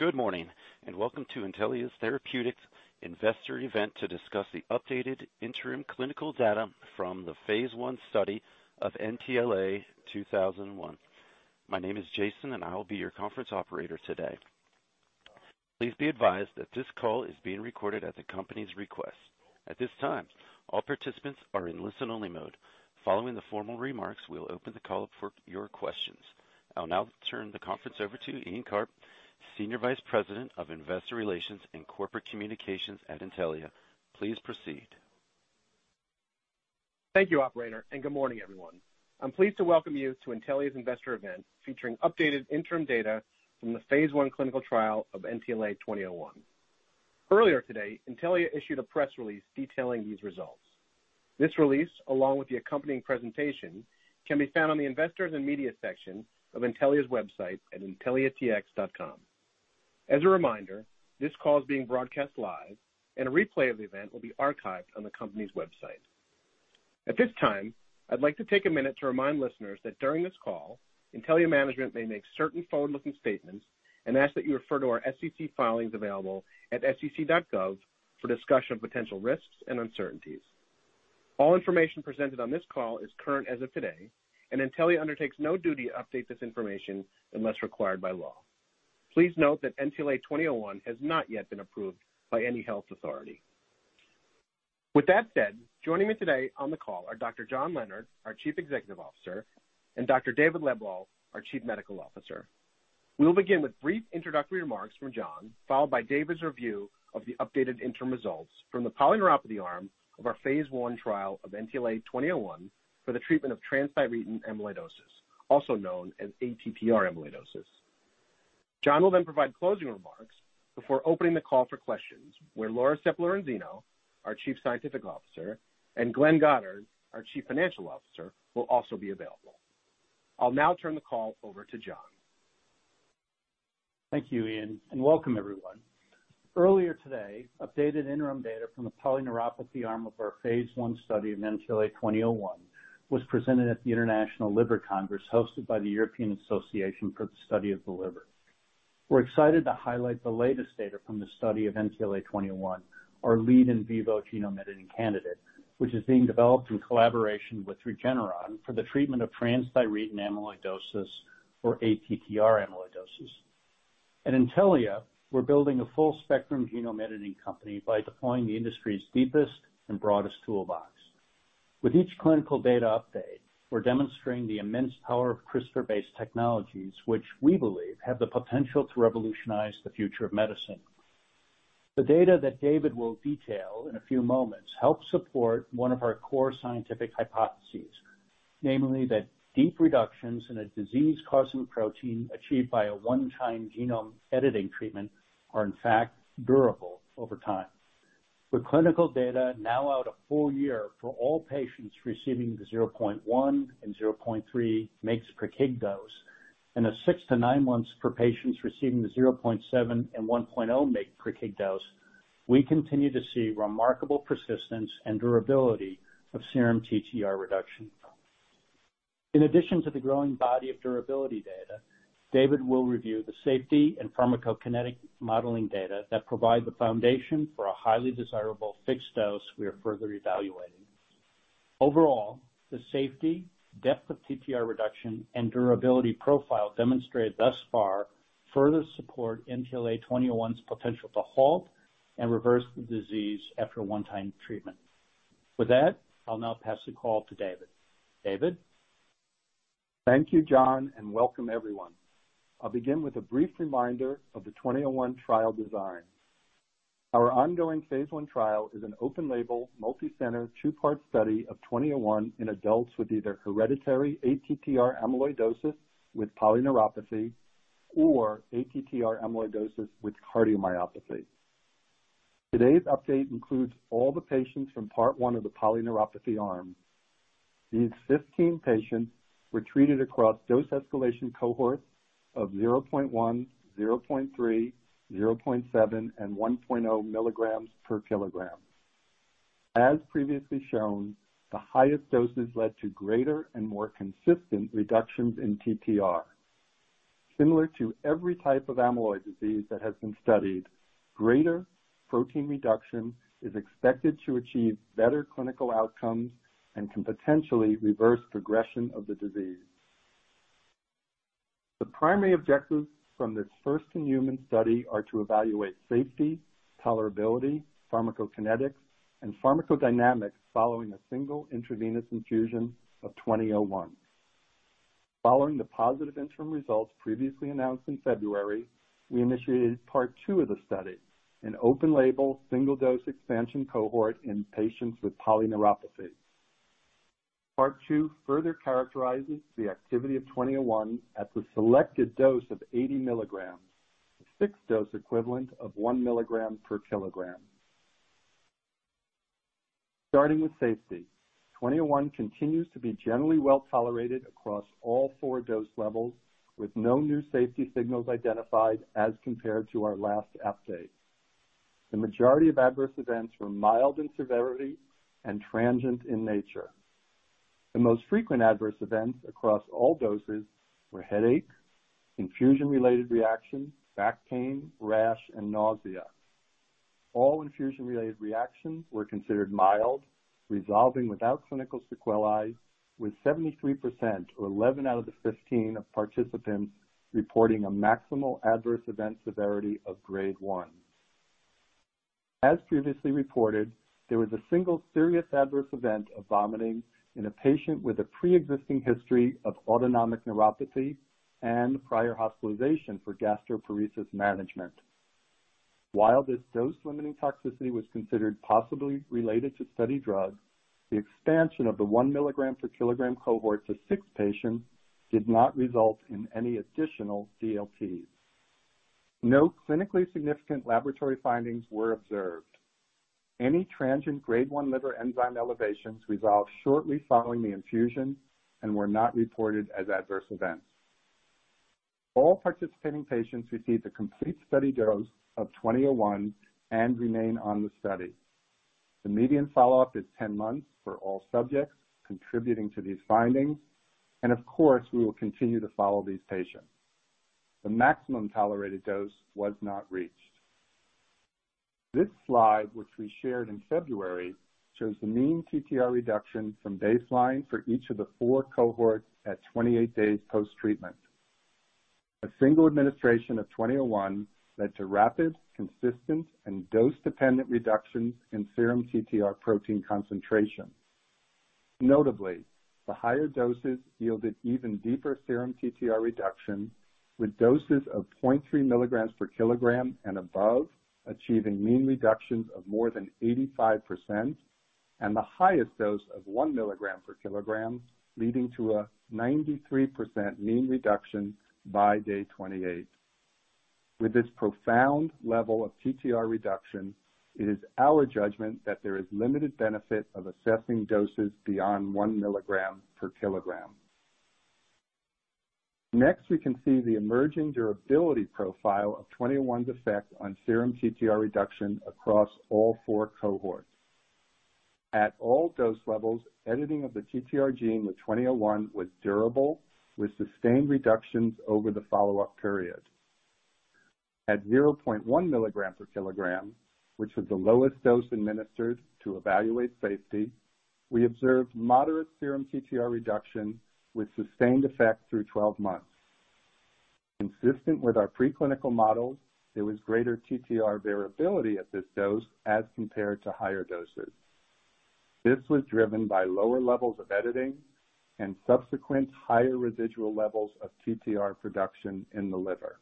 Good morning, and welcome to Intellia Therapeutics' investor event to discuss the updated interim clinical data from the phase 1 study of NTLA-2001. My name is Jason, and I will be your conference operator today. Please be advised that this call is being recorded at the company's request. At this time, all participants are in listen-only mode. Following the formal remarks, we'll open the call up for your questions. I'll now turn the conference over to Ian Karp, Senior Vice President of Investor Relations and Corporate Communications at Intellia. Please proceed. Thank you, operator, and good morning, everyone. I'm pleased to welcome you to Intellia's investor event, featuring updated interim data from the phase 1 clinical trial of NTLA-2001. Earlier today, Intellia issued a press release detailing these results. This release, along with the accompanying presentation, can be found on the Investors and Media section of Intellia's website at intelliatx.com. As a reminder, this call is being broadcast live and a replay of the event will be archived on the company's website. At this time, I'd like to take a minute to remind listeners that during this call, Intellia management may make certain forward-looking statements and ask that you refer to our SEC filings available at sec.gov for discussion of potential risks and uncertainties. All information presented on this call is current as of today, and Intellia undertakes no duty to update this information unless required by law. Please note that NTLA-2001 has not yet been approved by any health authority. With that said, joining me today on the call are Dr. John Leonard, our Chief Executive Officer, and Dr. David Lebwohl, our Chief Medical Officer. We will begin with brief introductory remarks from John, followed by David's review of the updated interim results from the polyneuropathy arm of our phase one trial of NTLA-2001 for the treatment of transthyretin amyloidosis, also known as ATTR amyloidosis. John will then provide closing remarks before opening the call for questions where Laura Sepp-Lorenzino, our Chief Scientific Officer, and Glenn Goddard, our Chief Financial Officer, will also be available. I'll now turn the call over to John. Thank you, Ian, and welcome everyone. Earlier today, updated interim data from the polyneuropathy arm of our phase 1 study of NTLA-2001 was presented at the International Liver Congress hosted by the European Association for the Study of the Liver. We're excited to highlight the latest data from the study of NTLA-2001, our lead in vivo genome editing candidate, which is being developed in collaboration with Regeneron for the treatment of transthyretin amyloidosis or ATTR amyloidosis. At Intellia, we're building a full spectrum genome editing company by deploying the industry's deepest and broadest toolbox. With each clinical data update, we're demonstrating the immense power of CRISPR-based technologies, which we believe have the potential to revolutionize the future of medicine. The data that David will detail in a few moments helps support one of our core scientific hypotheses, namely that deep reductions in a disease-causing protein achieved by a one-time genome editing treatment are in fact durable over time. With clinical data now out a full year for all patients receiving the 0.1 and 0.3 mg/kg dose, and six to nine months for patients receiving the 0.7 and 1.0 mg/kg dose, we continue to see remarkable persistence and durability of serum TTR reduction. In addition to the growing body of durability data, David will review the safety and pharmacokinetic modeling data that provide the foundation for a highly desirable fixed dose we are further evaluating. Overall, the safety, depth of TTR reduction, and durability profile demonstrated thus far further support NTLA-2001's potential to halt and reverse the disease after a one-time treatment. With that, I'll now pass the call to David. David? Thank you, John, and welcome everyone. I'll begin with a brief reminder of the NTLA-2001 trial design. Our ongoing phase 1 trial is an open label, multi-center, two-part study of NTLA-2001 in adults with either hereditary ATTR amyloidosis with polyneuropathy or ATTR amyloidosis with cardiomyopathy. Today's update includes all the patients from part one of the polyneuropathy arm. These 15 patients were treated across dose escalation cohorts of 0.1, 0.3, 0.7, and 1.0 milligrams per kilogram. As previously shown, the highest doses led to greater and more consistent reductions in TTR. Similar to every type of amyloid disease that has been studied, greater protein reduction is expected to achieve better clinical outcomes and can potentially reverse progression of the disease. The primary objectives from this first in human study are to evaluate safety, tolerability, pharmacokinetics, and pharmacodynamics following a single intravenous infusion of NTLA-2001. Following the positive interim results previously announced in February, we initiated part two of the study, an open label single dose expansion cohort in patients with polyneuropathy. Part two further characterizes the activity of NTLA-2001 at the selected dose of 80 milligrams, a fixed dose equivalent of 1 milligram per kilogram. Starting with safety, NTLA-2001 continues to be generally well tolerated across all four dose levels with no new safety signals identified as compared to our last update. The majority of adverse events were mild in severity and transient in nature. The most frequent adverse events across all doses were headache, infusion-related reaction, back pain, rash, and nausea. All infusion-related reactions were considered mild, resolving without clinical sequelae, with 73%, or 11 out of the 15 participants, reporting a maximal adverse event severity of grade 1. As previously reported, there was a single serious adverse event of vomiting in a patient with a pre-existing history of autonomic neuropathy and prior hospitalization for gastroparesis management. While this dose-limiting toxicity was considered possibly related to study drug, the expansion of the 1 mg/kg cohort to six patients did not result in any additional DLTs. No clinically significant laboratory findings were observed. Any transient grade 1 liver enzyme elevations resolved shortly following the infusion and were not reported as adverse events. All participating patients received the complete study dose of 2001 and remain on the study. The median follow-up is 10 months for all subjects contributing to these findings and of course, we will continue to follow these patients. The maximum tolerated dose was not reached. This slide, which we shared in February, shows the mean TTR reduction from baseline for each of the four cohorts at 28 days post-treatment. A single administration of NTLA-2001 led to rapid, consistent, and dose-dependent reductions in serum TTR protein concentration. Notably, the higher doses yielded even deeper serum TTR reduction, with doses of 0.3 milligrams per kilogram and above achieving mean reductions of more than 85% and the highest dose of 1 milligram per kilogram leading to a 93% mean reduction by day 28. With this profound level of TTR reduction, it is our judgment that there is limited benefit of assessing doses beyond 1 milligram per kilogram. Next, we can see the emerging durability profile of 2001's effect on serum TTR reduction across all four cohorts. At all dose levels, editing of the TTR gene with 2001 was durable with sustained reductions over the follow-up period. At 0.1 milligrams per kilogram, which was the lowest dose administered to evaluate safety, we observed moderate serum TTR reduction with sustained effect through 12 months. Consistent with our preclinical models, there was greater TTR variability at this dose as compared to higher doses. This was driven by lower levels of editing and subsequent higher residual levels of TTR production in the liver.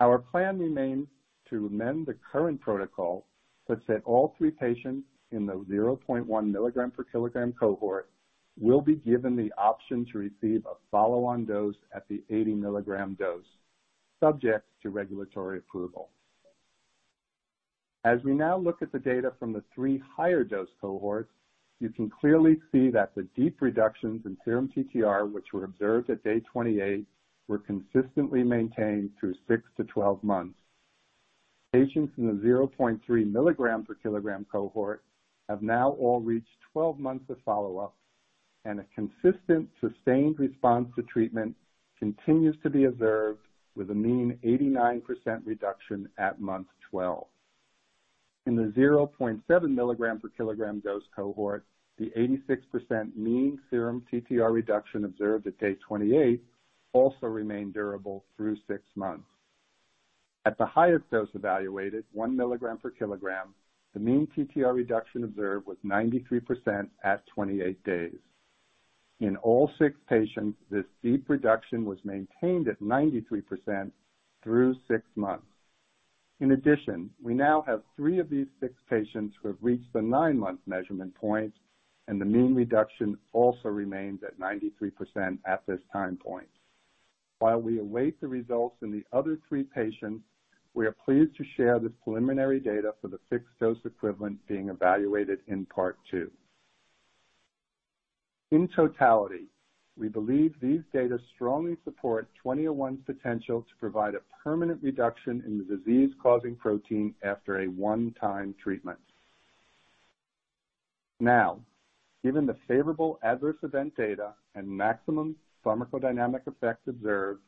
Our plan remains to amend the current protocol such that all three patients in the 0.1 milligram per kilogram cohort will be given the option to receive a follow-on dose at the 80 milligram dose subject to regulatory approval. As we now look at the data from the three higher dose cohorts, you can clearly see that the deep reductions in serum TTR which were observed at day 28 were consistently maintained through 6-12 months. Patients in the 0.3 milligram per kilogram cohort have now all reached 12 months of follow-up, and a consistent sustained response to treatment continues to be observed with a mean 89% reduction at month 12. In the 0.7 milligram per kilogram dose cohort, the 86% mean serum TTR reduction observed at day 28 also remained durable through 6 months. At the highest dose evaluated, 1 milligram per kilogram, the mean TTR reduction observed was 93% at 28 days. In all 6 patients, this deep reduction was maintained at 93% through 6 months. In addition, we now have three of these six patients who have reached the nine-month measurement point, and the mean reduction also remains at 93% at this time point. While we await the results in the other three patients, we are pleased to share this preliminary data for the fixed-dose equivalent being evaluated in Part Two. In totality, we believe these data strongly support NTLA-2001's potential to provide a permanent reduction in the disease-causing protein after a one-time treatment. Now, given the favorable adverse event data and maximum pharmacodynamic effects observed,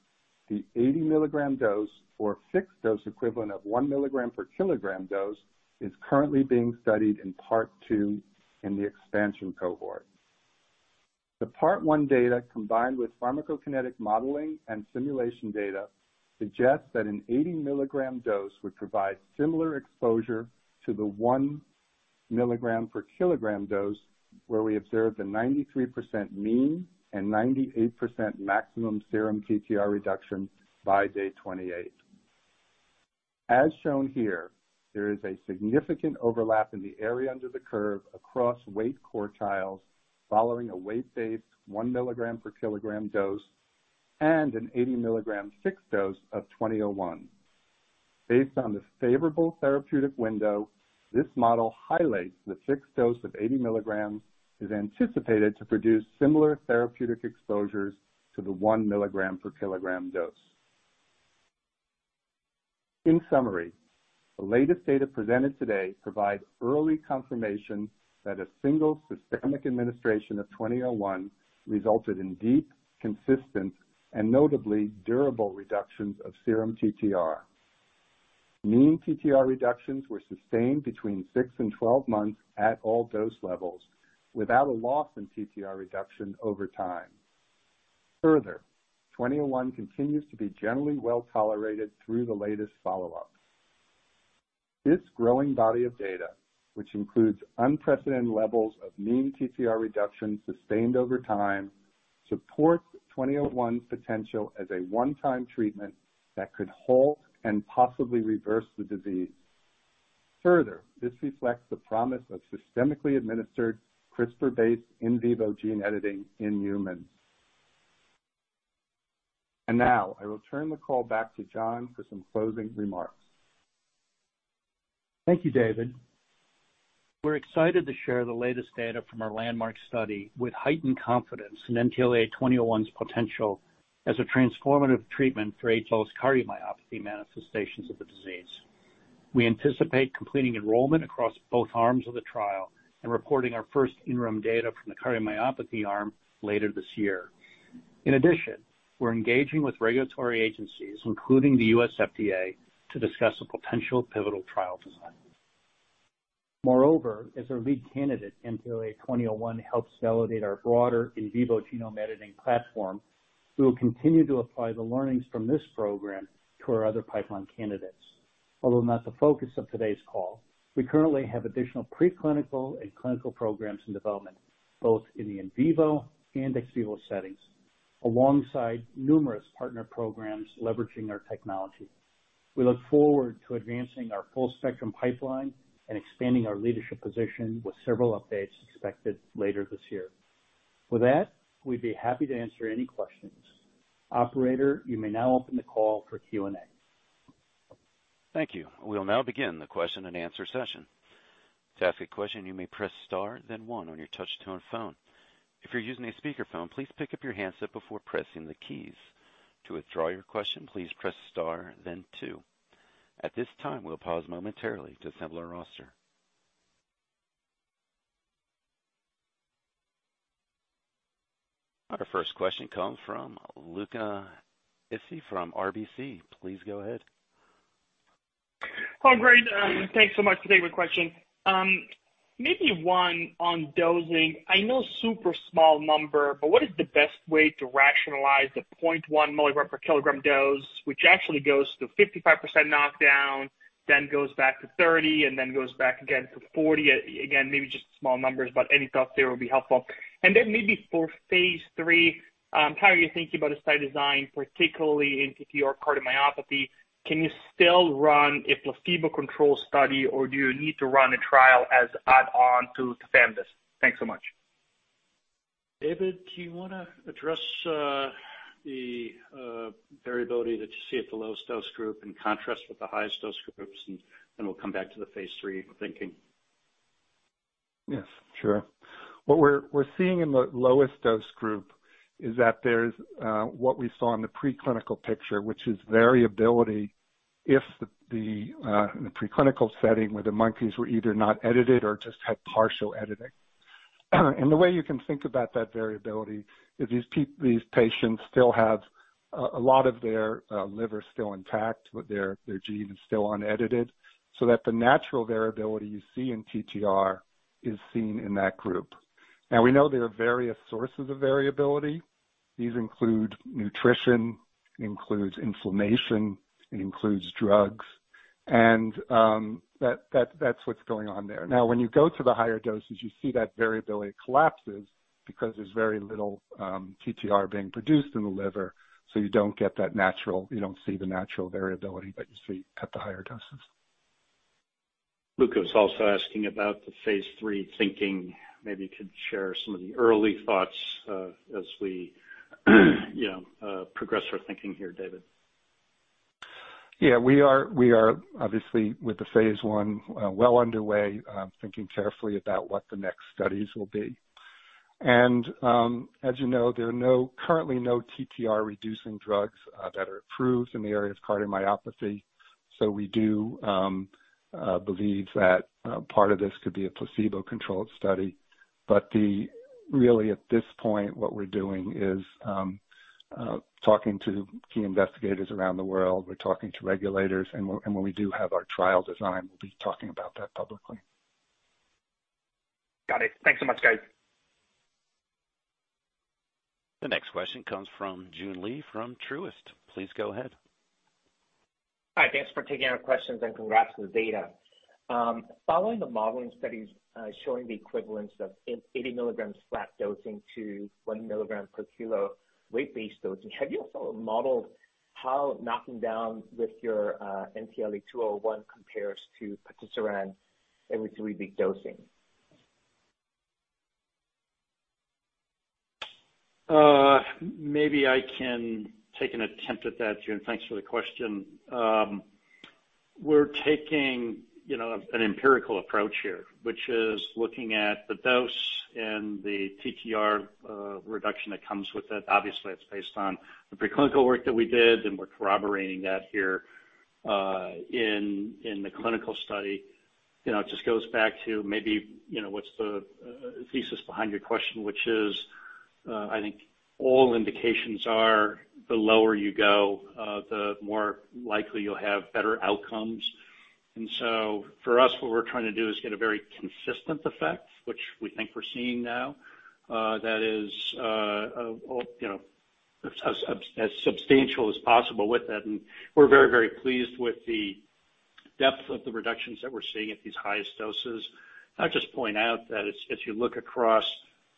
the 80 milligram dose or fixed-dose equivalent of 1 milligram per kilogram dose is currently being studied in Part Two in the expansion cohort. The Part One data combined with pharmacokinetic modeling and simulation data suggest that an 80 milligram dose would provide similar exposure to the 1 milligram per kilogram dose, where we observed a 93% mean and 98% maximum serum TTR reduction by day 28. As shown here, there is a significant overlap in the area under the curve across weight quartiles following a weight-based 1 milligram per kilogram dose and an 80 milligram fixed dose of NTLA-2001. Based on the favorable therapeutic window, this model highlights the fixed dose of 80 milligrams is anticipated to produce similar therapeutic exposures to the 1 milligram per kilogram dose. In summary, the latest data presented today provides early confirmation that a single systemic administration of NTLA-2001 resulted in deep, consistent, and notably durable reductions of serum TTR. Mean TTR reductions were sustained between six and 12 months at all dose levels without a loss in TTR reduction over time. Further, NTLA-2001 continues to be generally well tolerated through the latest follow-up. This growing body of data, which includes unprecedented levels of mean TTR reduction sustained over time, supports NTLA-2001's potential as a one-time treatment that could halt and possibly reverse the disease. Further, this reflects the promise of systemically administered CRISPR-based in vivo gene editing in humans. Now I will turn the call back to John for some closing remarks. Thank you, David. We're excited to share the latest data from our landmark study with heightened confidence in NTLA-2001's potential as a transformative treatment for ATTR cardiomyopathy manifestations of the disease. We anticipate completing enrollment across both arms of the trial and reporting our first interim data from the cardiomyopathy arm later this year. In addition, we're engaging with regulatory agencies, including the U.S. FDA, to discuss a potential pivotal trial design. Moreover, as our lead candidate, NTLA-2001, helps validate our broader in vivo genome editing platform, we will continue to apply the learnings from this program to our other pipeline candidates. Although not the focus of today's call, we currently have additional pre-clinical and clinical programs in development, both in the in vivo and ex vivo settings, alongside numerous partner programs leveraging our technology. We look forward to advancing our full spectrum pipeline and expanding our leadership position with several updates expected later this year. With that, we'd be happy to answer any questions. Operator, you may now open the call for Q&A. Thank you. We'll now begin the question-and-answer session. To ask a question, you may press star then one on your touch-tone phone. If you're using a speakerphone, please pick up your handset before pressing the keys. To withdraw your question, please press star then two. At this time, we'll pause momentarily to assemble our roster. Our first question comes from Luca Issi from RBC. Please go ahead. Oh, great. Thanks so much for taking the question. Maybe one on dosing. I know super small number, but what is the best way to rationalize the 0.1 milligram per kilogram dose, which actually goes to 55% knockdown, then goes back to 30, and then goes back again to 40? Again, maybe just small numbers, but any thoughts there will be helpful. Then maybe for phase 3, how are you thinking about a study design, particularly in TTR cardiomyopathy? Can you still run a placebo control study, or do you need to run a trial as add-on to Tafamidis? Thanks so much. David, do you want to address the variability that you see at the lowest dose group in contrast with the highest dose groups, and we'll come back to the phase three thinking? Yes, sure. What we're seeing in the lowest dose group is that there's what we saw in the pre-clinical picture, which is variability in the pre-clinical setting, where the monkeys were either not edited or just had partial editing. The way you can think about that variability is these patients still have a lot of their liver still intact with their gene is still unedited, so that the natural variability you see in TTR is seen in that group. Now, we know there are various sources of variability. These include nutrition, inflammation, drugs, and that's what's going on there. Now, when you go to the higher doses, you see that variability collapses because there's very little TTR being produced in the liver, so you don't see the natural variability that you see at the higher doses. Luca was also asking about the phase 3 thinking. Maybe you could share some of the early thoughts, as we, you know, progress our thinking here, David. Yeah. We are obviously with the phase 1 well underway, thinking carefully about what the next studies will be. As you know, there are currently no TTR reducing drugs that are approved in the area of cardiomyopathy, so we do believe that part of this could be a placebo-controlled study. Really, at this point, what we're doing is talking to key investigators around the world. We're talking to regulators, and when we do have our trial design, we'll be talking about that publicly. Got it. Thanks so much, guys. The next question comes from Joon Lee from Truist. Please go ahead. Hi. Thanks for taking our questions and congrats on the data. Following the modeling studies showing the equivalence of an 80 milligrams flat dosing to 1 milligram per kilo weight-based dosing, have you also modeled how knocking down with your NTLA-2001 compares to Patisiran every three-week dosing? Maybe I can take an attempt at that, Jun. Thanks for the question. We're taking, you know, an empirical approach here, which is looking at the dose and the TTR reduction that comes with it. Obviously, it's based on the preclinical work that we did, and we're corroborating that here in the clinical study. You know, it just goes back to maybe, you know, what's the thesis behind your question, which is, I think all indications are the lower you go, the more likely you'll have better outcomes. For us, what we're trying to do is get a very consistent effect, which we think we're seeing now, that is, you know, as substantial as possible with it. We're very, very pleased with the depth of the reductions that we're seeing at these highest doses. I'll just point out that if you look across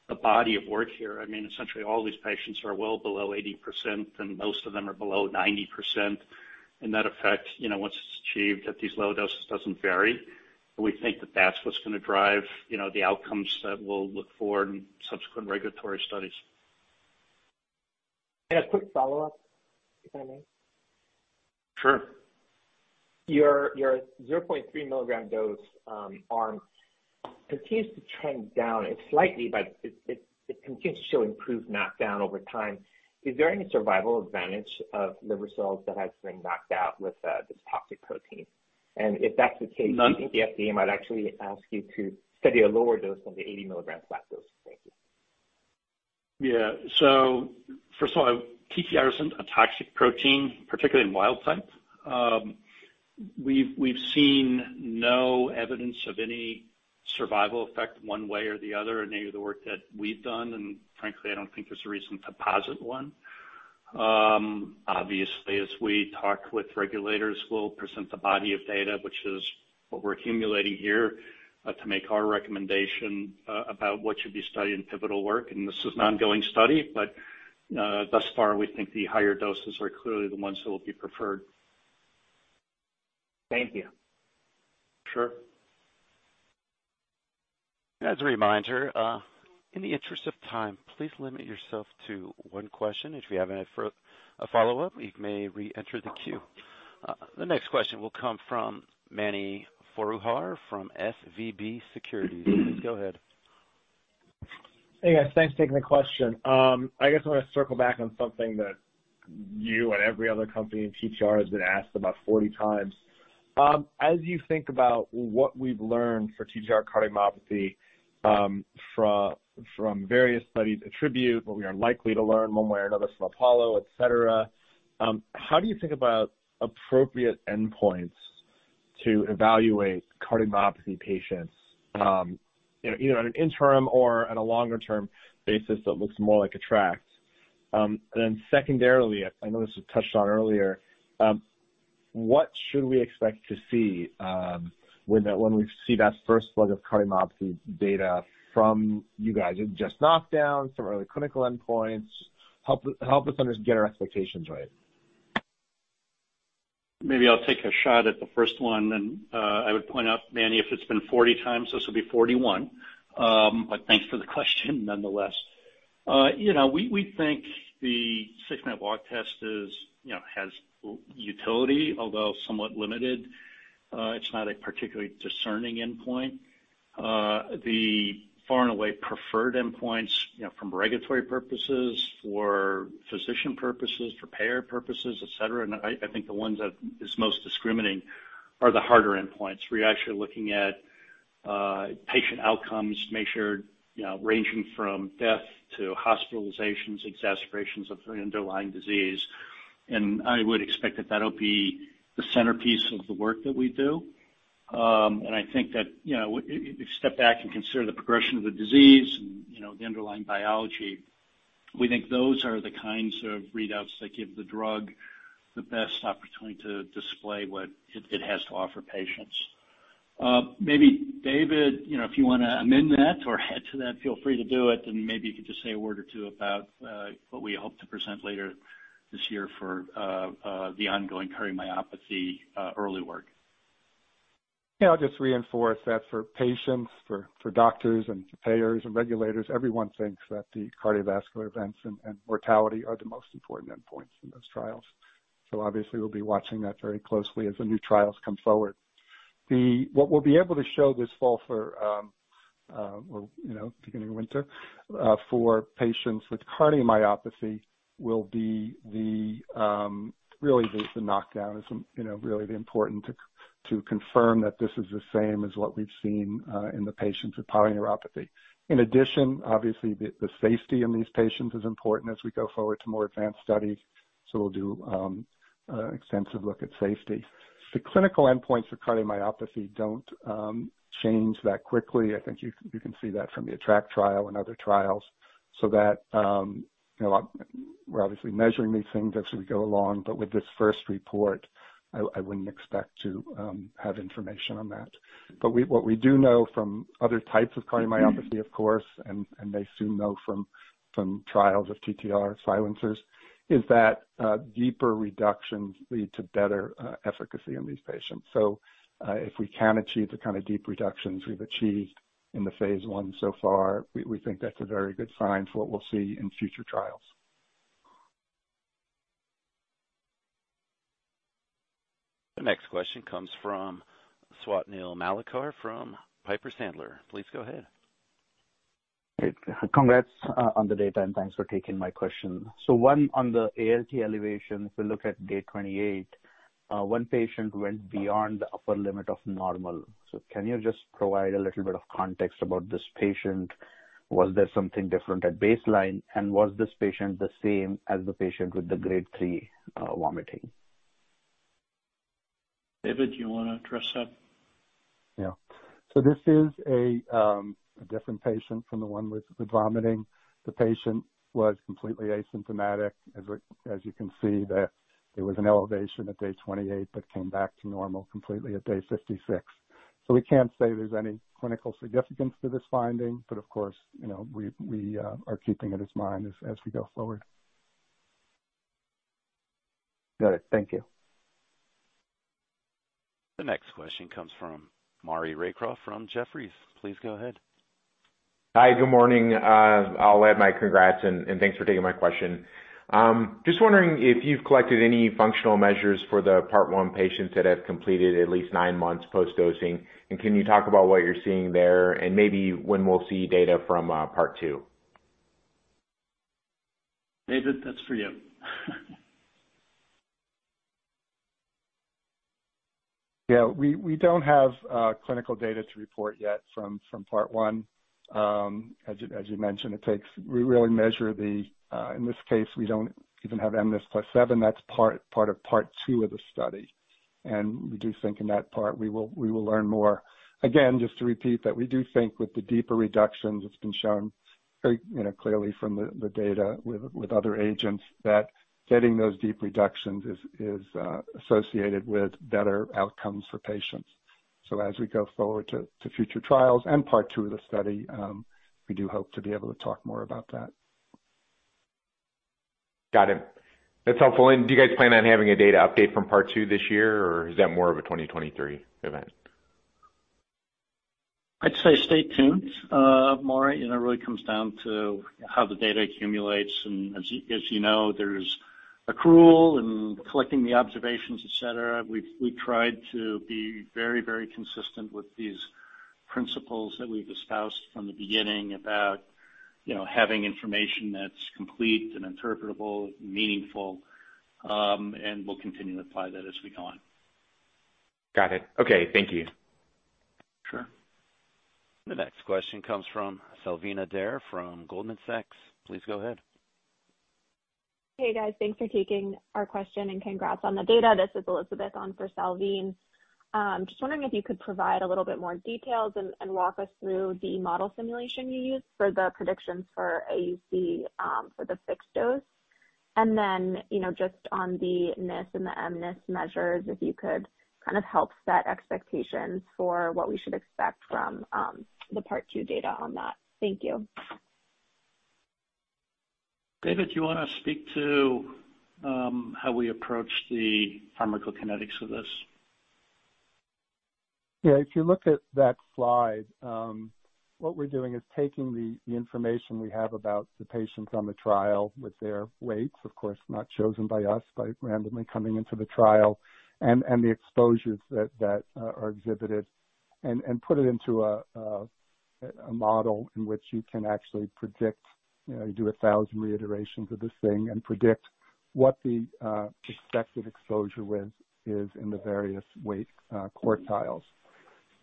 the body of work here, I mean, essentially all these patients are well below 80%, and most of them are below 90%. That effect, you know, once it's achieved at these low doses, doesn't vary. We think that that's what's going to drive, you know, the outcomes that we'll look for in subsequent regulatory studies. A quick follow-up, if I may. Sure. Your 0.3 milligram dose arm continues to trend down. It's slightly, but it continues to improve knockdown over time. Is there any survival advantage of liver cells that has been knocked out with this toxic protein? If that's the case. None. Do you think the FDA might actually ask you to study a lower dose than the 80 milligrams flat dose? Thank you. Yeah. First of all, TTR isn't a toxic protein, particularly in wild type. We've seen no evidence of any survival effect one way or the other in any of the work that we've done. Frankly, I don't think there's a reason to posit one. Obviously, as we talk with regulators, we'll present the body of data, which is what we're accumulating here, to make our recommendation about what should be studied in pivotal work. This is an ongoing study, but thus far, we think the higher doses are clearly the ones that will be preferred. Thank you. Sure. As a reminder, in the interest of time, please limit yourself to one question. If you have any follow-up, you may reenter the queue. The next question will come from Mani Foroohar from SVB Securities. Go ahead. Hey, guys. Thanks for taking the question. I guess I want to circle back on something that you and every other company in TTR have been asked about 40 times. As you think about what we've learned for TTR cardiomyopathy, from various studies, ATTR, what we are likely to learn one way or another from APOLLO, et cetera, how do you think about appropriate endpoints to evaluate cardiomyopathy patients, you know, either on an interim or on a longer-term basis that looks more like ATTR-ACT? And then secondarily, I notice you touched on earlier, what should we expect to see, when we see that first slug of cardiomyopathy data from you guys? Is it just knockdowns or other clinical endpoints? Help us understand our expectations right. Maybe I'll take a shot at the first one. I would point out, Mani, if it's been 40 times, this will be 41. But thanks for the question nonetheless. You know, we think the six-minute walk test is, you know, has utility, although somewhat limited. It's not a particularly discerning endpoint. The far and away preferred endpoints, you know, from regulatory purposes, for physician purposes, for payer purposes, et cetera, and I think the ones that is most discriminating are the harder endpoints. We're actually looking at patient outcomes, you know, ranging from death to hospitalizations, exacerbations of the underlying disease. I would expect that that'll be the centerpiece of the work that we do. I think that, you know, if you step back and consider the progression of the disease and, you know, the underlying biology, we think those are the kinds of readouts that give the drug the best opportunity to display what it has to offer patients. Maybe David, you know, if you want to amend that or add to that, feel free to do it. Maybe you could just say a word or two about what we hope to present later this year for the ongoing cardiomyopathy early work. Yeah, I'll just reinforce that for patients, for doctors and payers and regulators, everyone thinks that the cardiovascular events and mortality are the most important endpoints in those trials. Obviously, we'll be watching that very closely as the new trials come forward. What we'll be able to show this fall for, or, you know, beginning of winter, for patients with cardiomyopathy will be the knockdown is, you know, really the important to confirm that this is the same as what we've seen in the patients with polyneuropathy. In addition, obviously the safety in these patients is important as we go forward to more advanced studies, so we'll do extensive look at safety. The clinical endpoints for cardiomyopathy don't change that quickly. I think you can see that from the ATTR-ACT trial and other trials, so that you know, we're obviously measuring these things as we go along. With this first report, I wouldn't expect to have information on that. What we do know from other types of cardiomyopathies, of course, and may soon know from trials of TTR silencers, is that deeper reductions lead to better efficacy in these patients. If we can achieve the kind of deep reductions we've achieved in the phase 1 so far, we think that's a very good sign for what we'll see in future trials. The next question comes from Swapnil Malekar from Piper Sandler. Please go ahead. Hey. Congrats on the data, and thanks for taking my question. One, on the ALT elevation, if we look at day 28, one patient went beyond the upper limit of normal. Can you just provide a little bit of context about this patient? Was there something different at baseline, and was this patient the same as the patient with the grade 3 vomiting? David, do you want to address that? Yeah. This is a different patient from the one with the vomiting. The patient was completely asymptomatic. As you can see there was an elevation at day 28, but came back to normal completely at day 56. We can't say there's any clinical significance to this finding, but of course, you know, we are keeping it in mind as we go forward. Got it. Thank you. The next question comes from Maury Raycroft from Jefferies. Please go ahead. Hi, good morning. I'll add my congrats, and thanks for taking my question. Just wondering if you've collected any functional measures for the Part One patients that have completed at least nine months post-dosing. Can you talk about what you're seeing there and maybe when we'll see data from Part Two? David, that's for you. Yeah. We don't have clinical data to report yet from Part One. As you mentioned, in this case, we don't even have mNIS+7. That's part of Part Two of the study. We do think in that part we will learn more. Again, just to repeat that we do think with the deeper reductions, it's been shown very, you know, clearly from the data with other agents that getting those deep reductions is associated with better outcomes for patients. As we go forward to future trials and Part Two of the study, we do hope to be able to talk more about that. Got it. That's helpful. Do you guys plan on having a data update from Part Two this year, or is that more of a 2023 event? I'd say stay tuned, Maury. You know, it really comes down to how the data accumulates, and as you know, there's accrual and collecting the observations, et cetera. We've tried to be very, very consistent with these principles that we've espoused from the beginning about, you know, having information that's complete and interpretable, meaningful, and we'll continue to apply that as we go on. Got it. Okay. Thank you. Sure. The next question comes from Salveen Richter from Goldman Sachs. Please go ahead. Hey, guys. Thanks for taking our question, and congrats on the data. This is Elizabeth on for Salveen. Just wondering if you could provide a little bit more details and walk us through the model simulation you used for the predictions for AUC for the fixed dose. You know, just on the NIS and the mNIS measures, if you could kind of help set expectations for what we should expect from the Part Two data on that. Thank you. David, do you want to speak to how we approach the pharmacokinetics of this? Yeah. If you look at that slide, what we're doing is taking the information we have about the patients on the trial with their weights, of course, not chosen by us, by randomly coming into the trial and the exposures that are exhibited and put it into a model in which you can actually predict, you know, you do 1,000 reiterations of this thing and predict what the expected exposure width is in the various weight quartiles.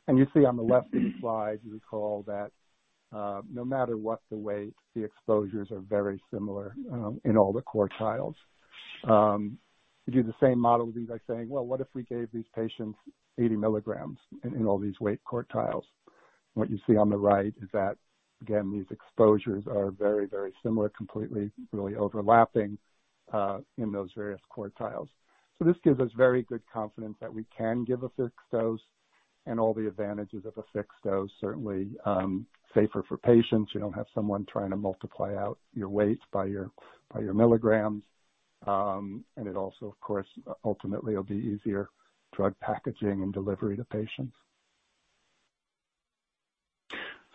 You see on the left of the slide, you recall that no matter what the weight, the exposures are very similar in all the quartiles. We do the same model these by saying, "Well, what if we gave these patients 80 milligrams in all these weight quartiles?" What you see on the right is that, again, these exposures are very, very similar, completely, really overlapping, in those various quartiles. This gives us very good confidence that we can give a fixed dose and all the advantages of a fixed dose, certainly, safer for patients. You don't have someone trying to multiply out your weight by your milligrams. It also, of course, ultimately will be easier drug packaging and delivery to patients.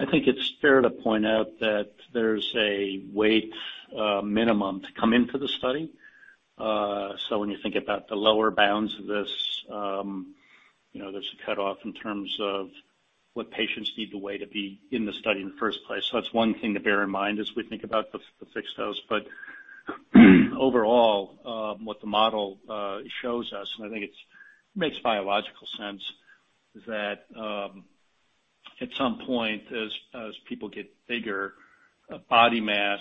I think it's fair to point out that there's a weight minimum to come into the study. When you think about the lower bounds of this, you know, there's a cutoff in terms of what patients need to weigh to be in the study in the first place. That's one thing to bear in mind as we think about the fixed dose. But overall, what the model shows us, and I think it makes biological sense, is that at some point, as people get bigger, body mass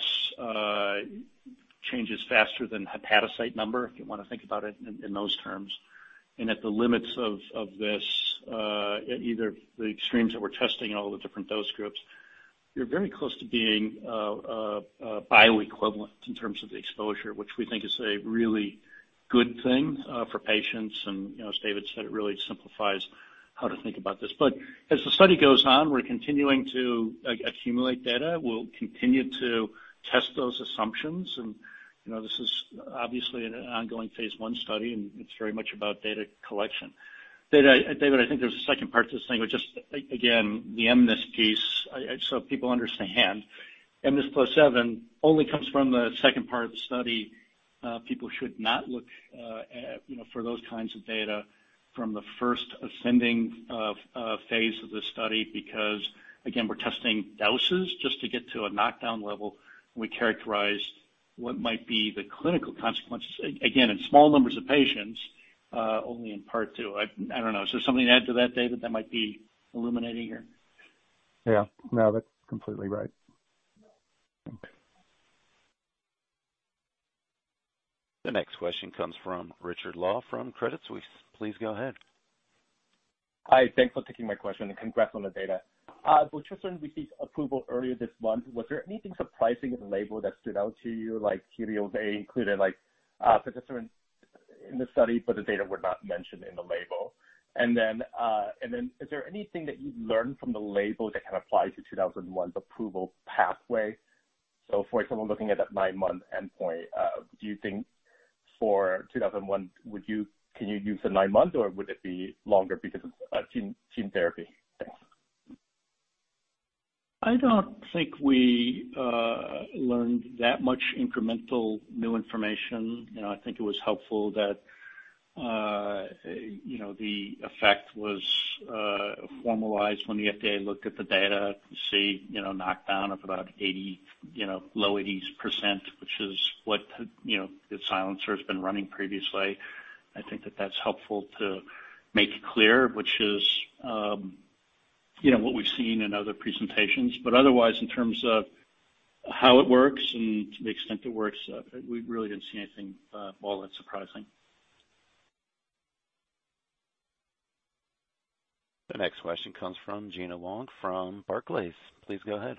changes faster than hepatocyte number, if you want to think about it in those terms. At the limits of this, the extremes that we're testing in all the different dose groups, you're very close to being bioequivalent in terms of the exposure, which we think is a really good thing for patients. You know, as David said, it really simplifies how to think about this. As the study goes on, we're continuing to accumulate data. We'll continue to test those assumptions. You know, this is obviously an ongoing phase 1 study, and it's very much about data collection. David, I think there's a second part to this thing, which just, the mNIS+7 piece, so people understand, mNIS+7 only comes from the second part of the study. People should not look, you know, for those kinds of data from the first ascending phase of the study because, again, we're testing doses just to get to a knockdown level. We characterized what might be the clinical consequences, again, in small numbers of patients only in part two. I don't know. Is there something to add to that, David, that might be illuminating here? Yeah. No, that's completely right. Okay. The next question comes from Richard Law from Credit Suisse. Please go ahead. Hi. Thanks for taking my question, and congrats on the data. Vutrisiran received approval earlier this month. Was there anything surprising in the label that stood out to you, like QoL-DN, they included, like, participants in the study, but the data were not mentioned in the label? Is there anything that you've learned from the label that can apply to NTLA-2001's approval pathway? For example, looking at that nine-month endpoint, do you think for NTLA-2001, can you use the nine-month or would it be longer because of gene therapy? Thanks. I don't think we learned that much incremental new information. You know, I think it was helpful that, you know, the effect was formalized when the FDA looked at the data to see, you know, knockdown of about 80, low 80s%, which is what, you know, the silencer's been running previously. I think that that's helpful to make it clear, which is, you know, what we've seen in other presentations. Otherwise, in terms of how it works and to the extent it works, we really didn't see anything all that surprising. The next question comes from Gena Wang from Barclays. Please go ahead.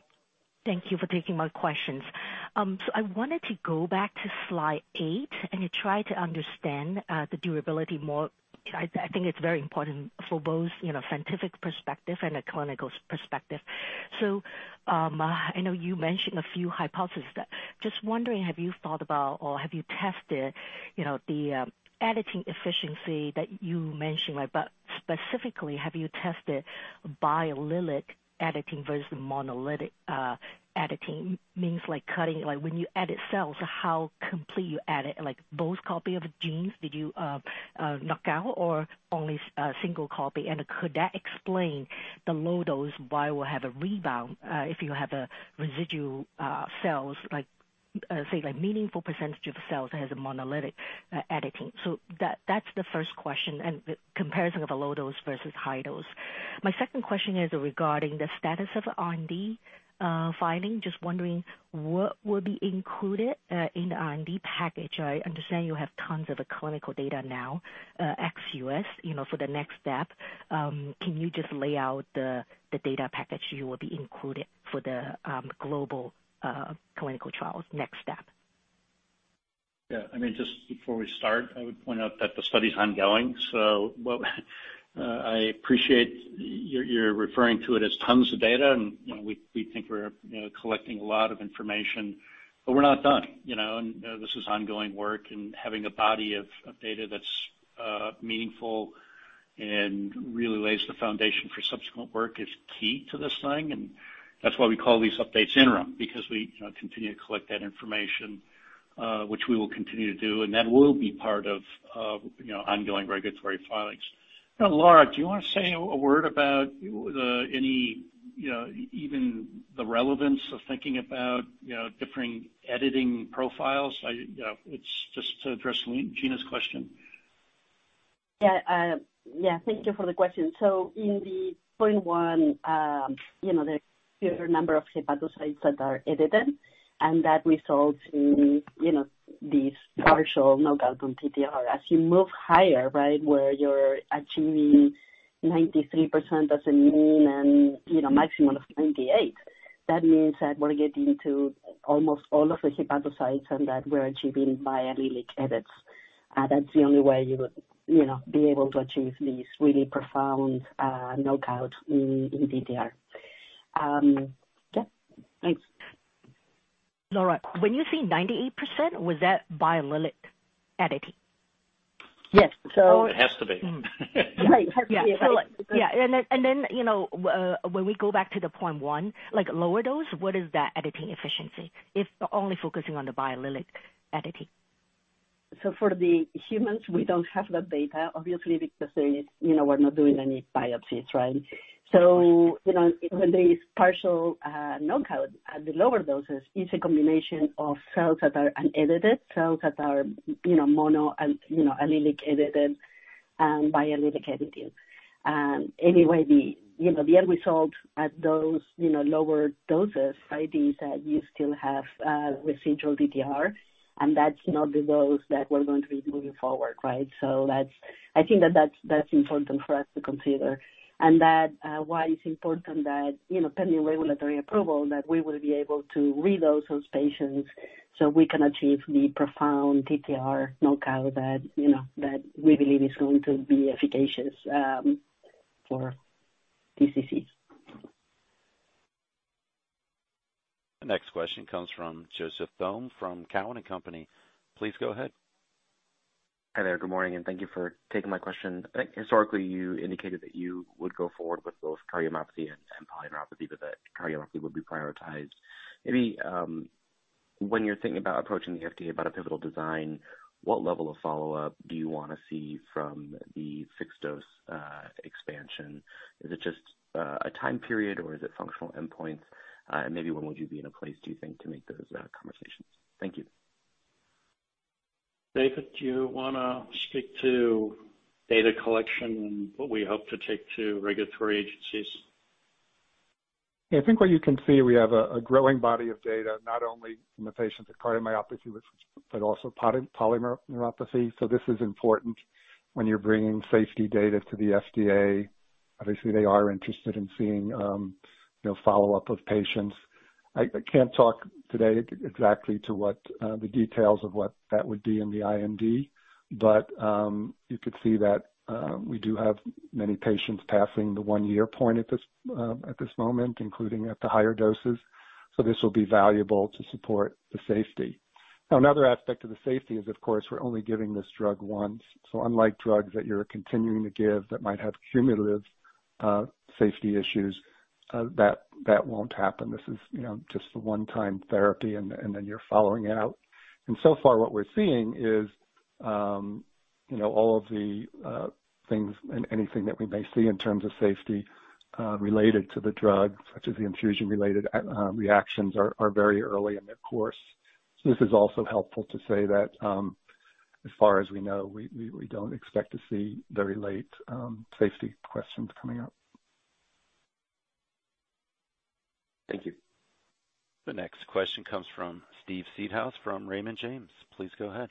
Thank you for taking my questions. I wanted to go back to slide eight and to try to understand the durability more. I think it's very important for both, you know, scientific perspective and a clinical perspective. I know you mentioned a few hypotheses. Just wondering, have you thought about or have you tested, you know, the editing efficiency that you mentioned? Specifically, have you tested biallelic editing versus monoallelic editing? Like, when you edit cells, how complete you edit, like both copy of genes, did you knock out or only single copy? Could that explain the low dose why we'll have a rebound if you have a residual cell, like, say, like meaningful percentage of cells that has a monoallelic editing? That's the first question and the comparison of a low dose versus high dose. My second question is regarding the status of IND filing. Just wondering what will be included in the IND package. I understand you have tons of clinical data now, ex US, you know, for the next step. Can you just lay out the data package you will be including for the global clinical trials next step? Yeah. I mean, just before we start, I would point out that the study's ongoing. I appreciate you're referring to it as tons of data, and, you know, we think we're, you know, collecting a lot of information, but we're not done, you know? This is ongoing work and having a body of data that's meaningful and really lays the foundation for subsequent work is key to this thing. That's why we call these updates interim because we, you know, continue to collect that information, which we will continue to do, and that will be part of, you know, ongoing regulatory filings. You know, Laura, do you want to say a word about the, any, you know, even the relevance of thinking about, you know, differing editing profiles? It's just to address Gena's question. Thank you for the question. In the phase 1, you know, there are a number of hepatocytes that are edited, and that results in, you know, these partial knockout from TTR. As you move higher, right, where you're achieving 93% as a mean and, you know, maximum of 98%, that means that we're getting to almost all of the hepatocytes and that we're achieving biallelic edits. That's the only way you would, you know, be able to achieve these really profound knockouts in TTR. Yeah. Thanks. Laura, when you say 98%, was that biallelic editing? Yes. It has to be. Right. It has to be. Yeah. You know, when we go back to the 0.1, like lower dose, what is that editing efficiency if only focusing on the biallelic editing? For the humans, we don't have that data obviously because there is, you know, we're not doing any biopsies, right? You know, when there is partial knockout at the lower doses, it's a combination of cells that are unedited, cells that are, you know, monoallelic edited and biallelic edited. Anyway, you know, the end result at those, you know, lower doses is that you still have residual TTR, and that's not the dose that we're going to be moving forward, right? That's important for us to consider and that's why it's important that, you know, pending regulatory approval, that we will be able to reload those patients so we can achieve the profound TTR knockout that, you know, that we believe is going to be efficacious for disease. The next question comes from Joseph Thome from Cowen and Company. Please go ahead. Hi there. Good morning, and thank you for taking my question. I think historically, you indicated that you would go forward with both cardiomyopathy and polyneuropathy, but that cardiomyopathy would be prioritized. Maybe, when you're thinking about approaching the FDA about a pivotal design, what level of follow-up do you want to see from the fixed-dose expansion? Is it just a time period, or is it functional endpoints? Maybe when would you be in a place, do you think, to make those conversations? Thank you. David, do you want to speak to data collection and what we hope to take to regulatory agencies? Yeah. I think what you can see, we have a growing body of data, not only from the patients with cardiomyopathy but also polyneuropathy. This is important when you're bringing safety data to the FDA. Obviously, they are interested in seeing follow-up with patients. I can't talk today exactly to what the details of what that would be in the IND, but you could see that we do have many patients passing the one-year point at this moment, including at the higher doses, this will be valuable to support the safety. Another aspect of the safety is, of course, we're only giving this drug once. Unlike drugs that you're continuing to give that might have cumulative safety issues, that won't happen. This is, you know, just a one-time therapy and then you're following it out. So far, what we're seeing is, you know, all of the things and anything that we may see in terms of safety related to the drug, such as the infusion-related reactions are very early in their course. So this is also helpful to say that, as far as we know, we don't expect to see very late safety questions coming up. Thank you. The next question comes from Steven Seedhouse from Raymond James. Please go ahead.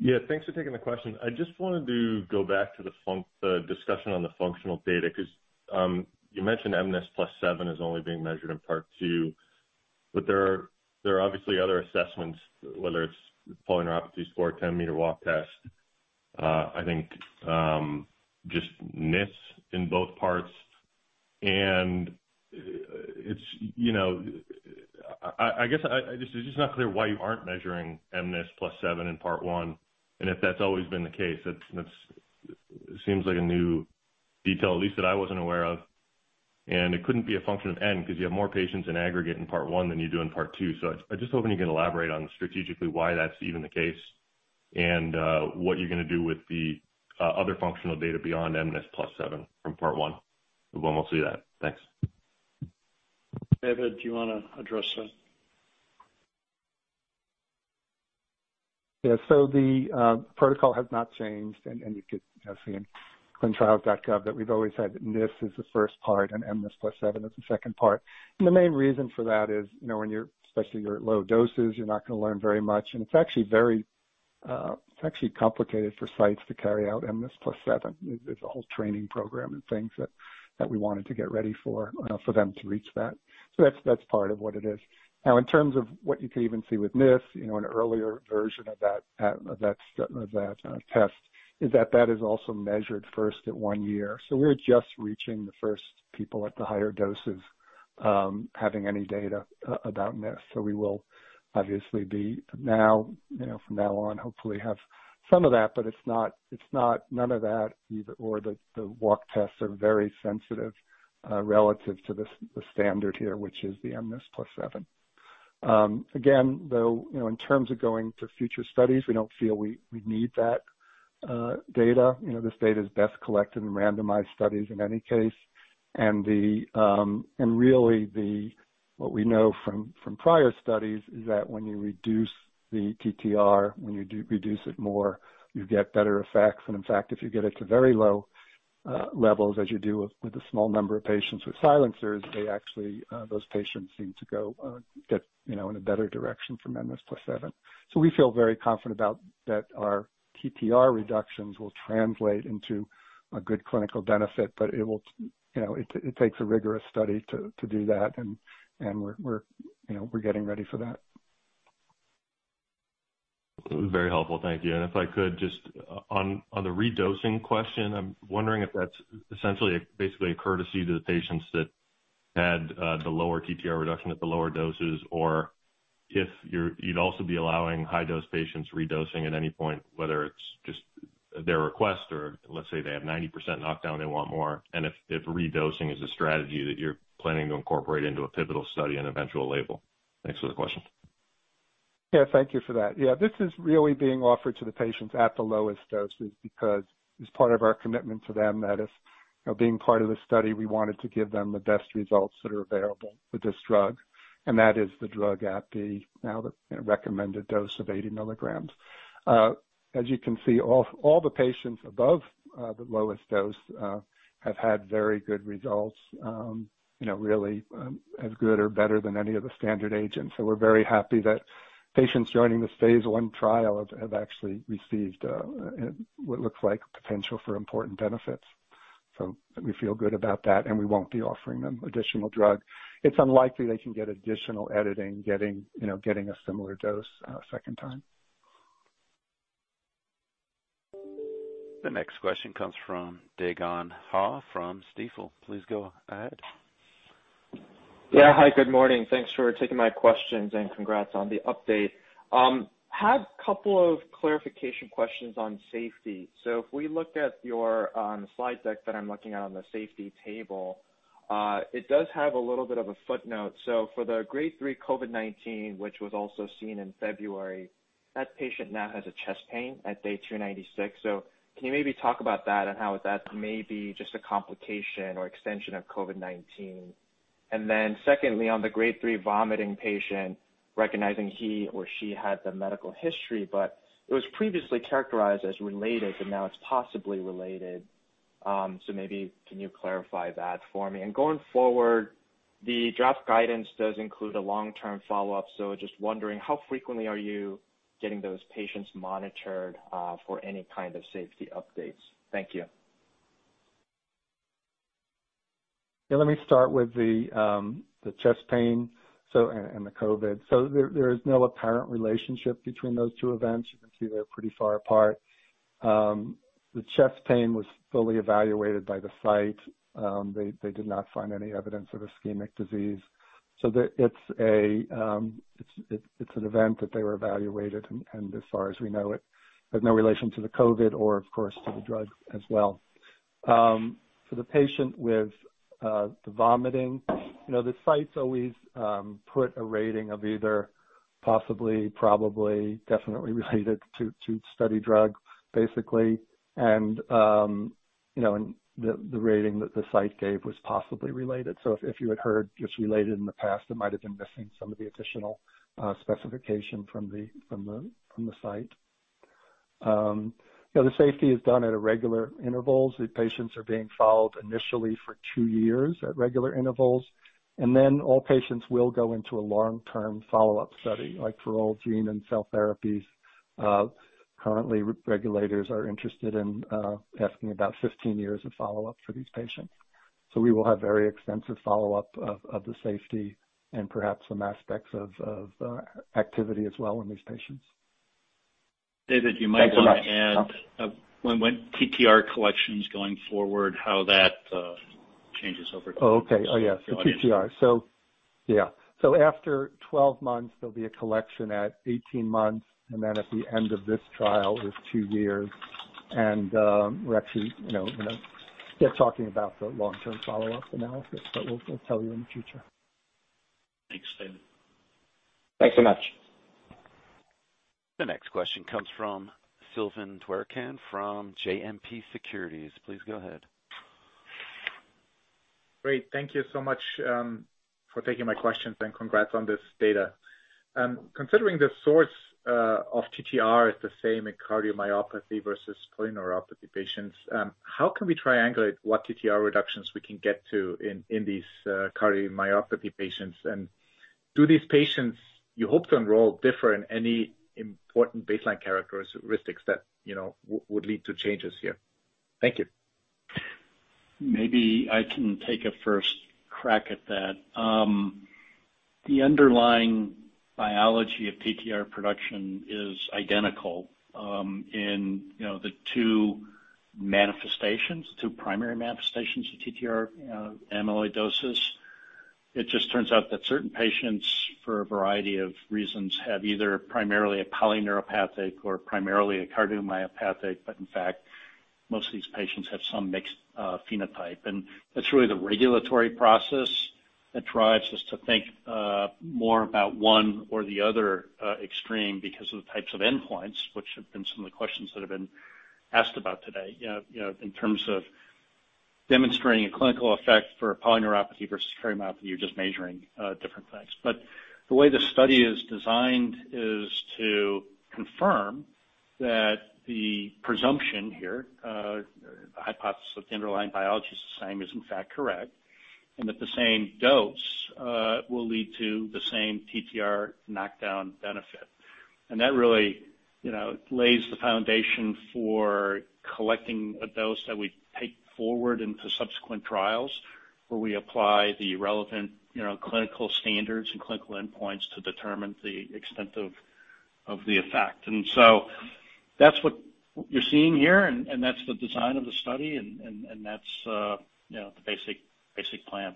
Yeah. Thanks for taking the question. I just wanted to go back to the discussion on the functional data 'cause you mentioned mNIS+7 is only being measured in Part Two, but there are obviously other assessments, whether it's polyneuropathy, 10-meter walk test, I think just NIS in both parts. It's just not clear why you aren't measuring mNIS+7 in Part One, and if that's always been the case, it seems like a new detail, at least that I wasn't aware of. It couldn't be a function of N because you have more patients in aggregate in Part One than you do in Part Two. I just hoping you can elaborate on strategically why that's even the case and what you're going to do with the other functional data beyond mNIS+7 from Part One, when we'll see that. Thanks. David, do you want to address that? The protocol has not changed. You could see in ClinicalTrials.gov that we've always had NIS is the first part and mNIS+7 is the second part. The main reason for that is, when you're especially at low doses, you're not going to learn very much. It's actually complicated for sites to carry out mNIS+7. There's a whole training program and things that we wanted to get ready for them to reach that. That's part of what it is. Now, in terms of what you can even see with NIS, an earlier version of that test is that it is also measured first at one year. We're just reaching the first people at the higher doses, having any data about NIS. We will obviously be now, you know, from now on, hopefully have some of that, but it's not none of that either or the walk tests are very sensitive, relative to the standard here, which is the mNIS+7. Again, though, you know, in terms of going to future studies, we don't feel we need that data. You know, this data is best collected in randomized studies in any case. Really, what we know from prior studies is that when you reduce the TTR, when you do reduce it more, you get better effects. In fact, if you get it to very low levels, as you do with a small number of patients with silencers, they actually, those patients seem to get, you know, in a better direction from mNIS+7. We feel very confident about that our TTR reductions will translate into a good clinical benefit. It will, you know, it takes a rigorous study to do that, and we're, you know, we're getting ready for that. Very helpful. Thank you. If I could just on the redosing question, I'm wondering if that's essentially, basically a courtesy to the patients that had the lower TTR reduction at the lower doses, or if you'd also be allowing high-dose patients redosing at any point, whether it's just their request or let's say they have 90% knockdown, they want more. If redosing is a strategy that you're planning to incorporate into a pivotal study and eventual label. Thanks for the question. Yeah. Thank you for that. Yeah. This is really being offered to the patients at the lowest doses because it's part of our commitment to them that if, you know, being part of the study, we wanted to give them the best results that are available with this drug, and that is the drug at the now recommended dose of 80 milligrams. As you can see, all the patients above the lowest dose have had very good results, you know, really as good or better than any of the standard agents. We're very happy that patients joining this phase I trial have actually received what looks like potential for important benefits. We feel good about that, and we won't be offering them additional drug. It's unlikely they can get additional editing getting, you know, getting a similar dose a second time. The next question comes from Dae Gon Ha from Stifel. Please go ahead. Yeah. Hi, good morning. Thanks for taking my questions, and congrats on the update. Had a couple of clarification questions on safety. If we look at your slide deck that I'm looking at on the safety table, it does have a little bit of a footnote. For the grade 3 COVID-19, which was also seen in February, that patient now has a chest pain at day 296. Can you maybe talk about that and how that may be just a complication or extension of COVID-19? And then secondly, on the grade 3 vomiting patient, recognizing he or she had the medical history, but it was previously characterized as related, and now it's possibly related. Maybe can you clarify that for me? And going forward, the draft guidance does include a long-term follow-up. Just wondering, how frequently are you getting those patients monitored for any kind of safety updates? Thank you. Yeah, let me start with the chest pain and the COVID. There is no apparent relationship between those two events. You can see they're pretty far apart. The chest pain was fully evaluated by the site. They did not find any evidence of ischemic disease. It's an event that they were evaluated. As far as we know, it has no relation to the COVID or of course, to the drug as well. For the patient with the vomiting, you know, the sites always put a rating of either possibly, probably, definitely related to study drug, basically. You know, the rating that the site gave was possibly related. If you had heard just related in the past, it might have been missing some of the additional specification from the site. You know, the safety is done at a regular intervals. The patients are being followed initially for two years at regular intervals, and then all patients will go into a long-term follow-up study, like for all gene and cell therapies. Currently, regulators are interested in asking about 15 years of follow-up for these patients. We will have very extensive follow-up of the safety and perhaps some aspects of activity as well in these patients. David, you might want to add when TTR collection's going forward, how that changes over. Oh, okay. Oh, yes. The TTR. Yeah. After 12 months, there'll be a collection at 18 months, and then at the end of this trial is two years. We're actually, you know, going to start talking about the long-term follow-up analysis, but we'll tell you in the future. Thanks, David. Thanks so much. The next question comes from Silvan Tuerkcan from JMP Securities. Please go ahead. Great. Thank you so much for taking my questions and congrats on this data. Considering the source of TTR is the same in cardiomyopathy versus polyneuropathy patients, how can we triangulate what TTR reductions we can get to in these cardiomyopathy patients? Do these patients you hope to enroll differ in any important baseline characteristics that you know would lead to changes here? Thank you. Maybe I can take a first crack at that. The underlying biology of TTR production is identical in you know the two manifestations two primary manifestations of TTR amyloidosis. It just turns out that certain patients for a variety of reasons have either primarily a polyneuropathy or primarily a cardiomyopathy, but in fact most of these patients have some mixed phenotype. That's really the regulatory process that drives us to think more about one or the other extreme because of the types of endpoints which have been some of the questions that have been asked about today. You know in terms of demonstrating a clinical effect for a polyneuropathy versus cardiomyopathy you're just measuring different things. The way the study is designed is to confirm that the presumption here, the hypothesis of the underlying biology is the same, is in fact correct, and that the same dose will lead to the same TTR knockdown benefit. That really, you know, lays the foundation for collecting a dose that we take forward into subsequent trials, where we apply the relevant, you know, clinical standards and clinical endpoints to determine the extent of the effect. That's what you're seeing here, and that's the design of the study and that's, you know, the basic plan.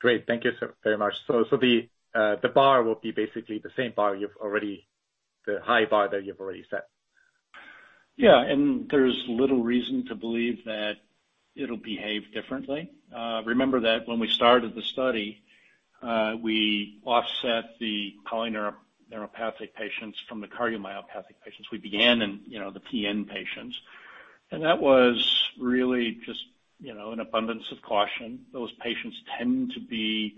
Great. Thank you, sir, very much. The bar will be basically the high bar that you've already set. Yeah. There's little reason to believe that it'll behave differently. Remember that when we started the study, we offset the polyneuropathic patients from the cardiomyopathy patients. We began in, you know, the PN patients, and that was really just, you know, an abundance of caution. Those patients tend to be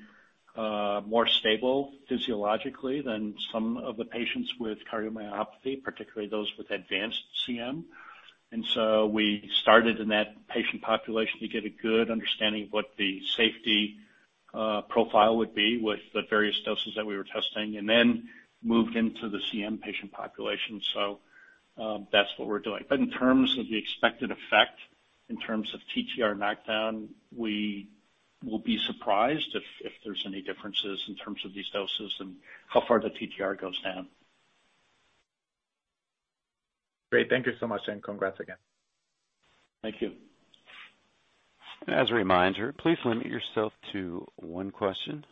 more stable physiologically than some of the patients with cardiomyopathy, particularly those with advanced CM. We started in that patient population to get a good understanding of what the safety profile would be with the various doses that we were testing, and then moved into the CM patient population. That's what we're doing. In terms of the expected effect, in terms of TTR knockdown, we'll be surprised if there's any differences in terms of these doses and how far the TTR goes down. Great. Thank you so much, and congrats again. Thank you. As a reminder, please limit yourself to one question.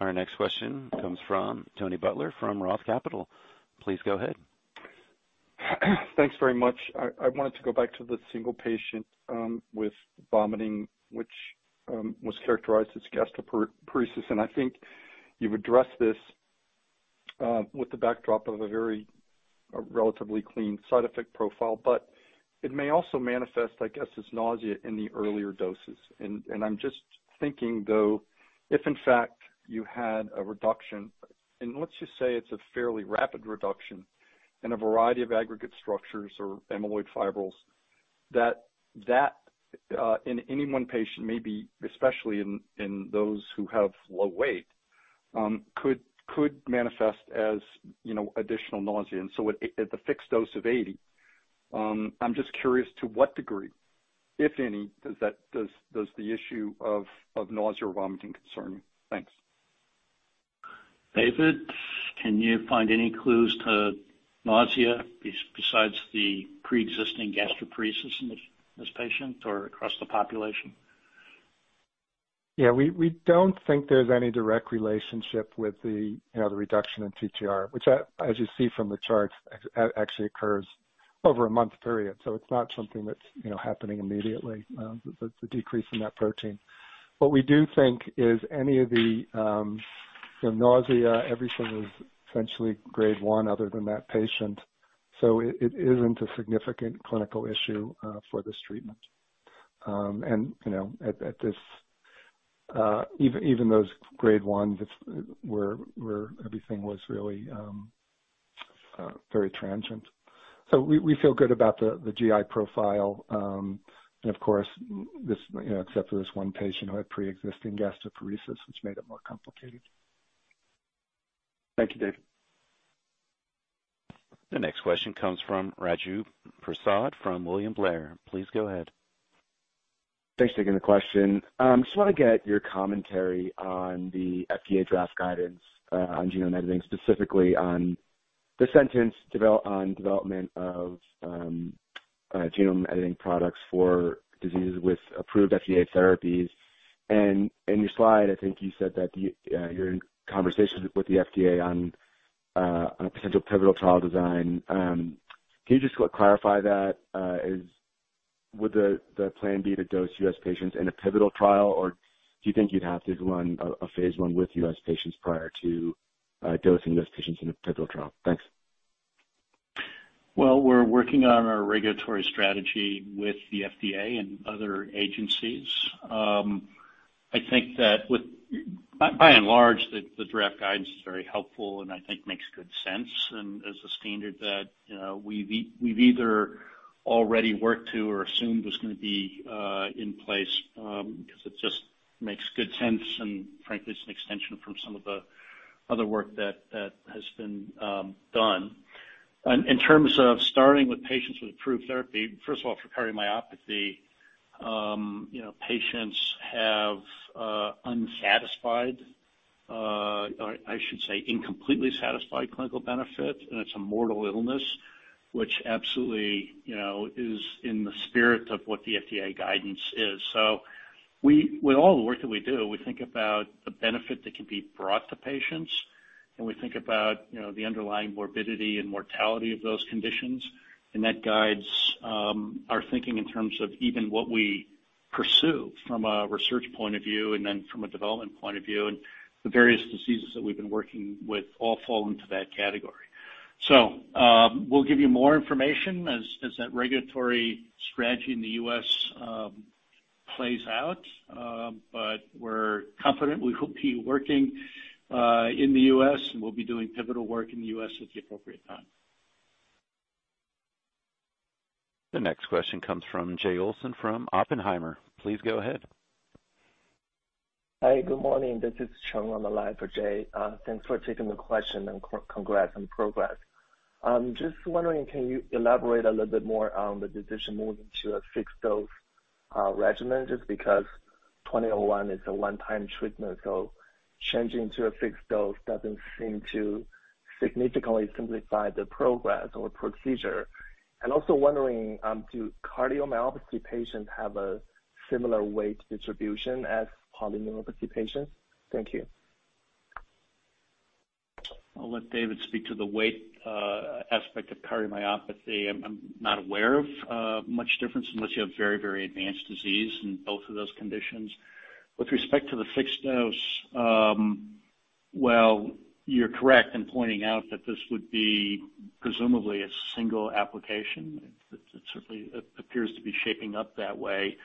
Our next question comes from Tony Butler from Roth Capital. Please go ahead. Thanks very much. I wanted to go back to the single patient with vomiting, which was characterized as gastroparesis. I think you've addressed this with the backdrop of a very relatively clean side effect profile, but it may also manifest, I guess, as nausea in the earlier doses. I'm just thinking though, if in fact you had a reduction, and let's just say it's a fairly rapid reduction in a variety of aggregate structures or amyloid fibrils, that in any one patient may be, especially in those who have low weight, could manifest as, you know, additional nausea. At the fixed dose of 80, I'm just curious to what degree, if any, does the issue of nausea or vomiting concern you? Thanks. David, can you find any clues to nausea besides the preexisting gastroparesis in this patient or across the population? Yeah, we don't think there's any direct relationship with the, you know, the reduction in TTR, which as you see from the charts, actually occurs over a month period. So it's not something that's, you know, happening immediately, the decrease in that protein. What we do think is any of the, you know, nausea, everything was essentially grade one other than that patient. So it isn't a significant clinical issue for this treatment. And, you know, at this, even those grade ones, it's where everything was really very transient. So we feel good about the GI profile. And of course this, you know, except for this one patient who had preexisting gastroparesis, which made it more complicated. Thank you, David. The next question comes from Raju Prasad from William Blair. Please go ahead. Thanks, taking the question. Just want to get your commentary on the FDA draft guidance on genome editing, specifically on the sentence on development of genome editing products for diseases with approved FDA therapies. In your slide, I think you said that you're in conversations with the FDA on a potential pivotal trial design. Can you just clarify that? Would the plan be to dose U.S. patients in a pivotal trial, or do you think you'd have to run a phase 1 with U.S. patients prior to dosing those patients in a pivotal trial? Thanks. Well, we're working on our regulatory strategy with the FDA and other agencies. I think that by and large, the draft guidance is very helpful and I think makes good sense and is a standard that, you know, we've either already worked to or assumed was going to be in place, because it just makes good sense and frankly is an extension from some of the other work that has been done. In terms of starting with patients with approved therapy, first of all, for cardiomyopathy, you know, patients have unsatisfied, or I should say incompletely satisfied clinical benefit, and it's a mortal illness, which absolutely, you know, is in the spirit of what the FDA guidance is. We, with all the work that we do, we think about the benefit that can be brought to patients, and we think about, you know, the underlying morbidity and mortality of those conditions. That guides our thinking in terms of even what we pursue from a research point of view and then from a development point of view. The various diseases that we've been working with all fall into that category. We'll give you more information as that regulatory strategy in the U.S. plays out. We're confident we will be working in the U.S. and we'll be doing pivotal work in the U.S. at the appropriate time. The next question comes from Jay Olson from Oppenheimer. Please go ahead. Hi, good morning. This is Cheng. I'm calling for Jay. Thanks for taking the question and congrats on progress. Just wondering, can you elaborate a little bit more on the decision moving to a fixed dose regimen, just because NTLA-2001 is a one-time treatment, so changing to a fixed dose doesn't seem to significantly simplify the process or procedure. Also wondering, do cardiomyopathy patients have a similar weight distribution as polyneuropathy patients? Thank you. I'll let David speak to the weight aspect of cardiomyopathy. I'm not aware of much difference unless you have very, very advanced disease in both of those conditions. With respect to the fixed dose, well, you're correct in pointing out that this would be presumably a single application. It certainly appears to be shaping up that way.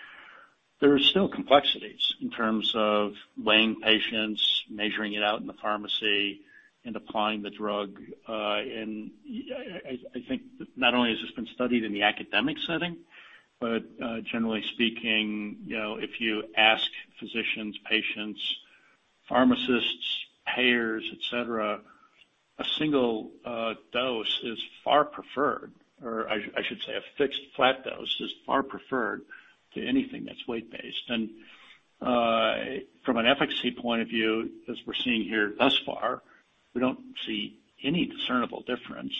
There are still complexities in terms of weighing patients, measuring it out in the pharmacy, and applying the drug. I think not only has this been studied in the academic setting, but generally speaking, you know, if you ask physicians, patients, pharmacists, payers, et cetera. A single dose is far preferred, or I should say a fixed flat dose is far preferred to anything that's weight-based. From an efficacy point of view, as we're seeing here thus far, we don't see any discernible difference.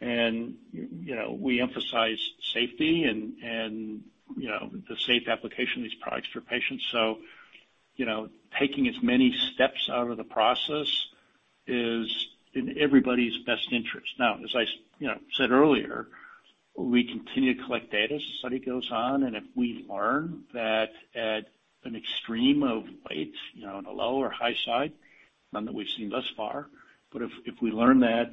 You know, we emphasize safety and you know, the safe application of these products for patients. You know, taking as many steps out of the process is in everybody's best interest. Now, as I said earlier, you know, we continue to collect data as the study goes on, and if we learn that at an extreme of weight, you know, on the low or high side, none that we've seen thus far, but if we learn that,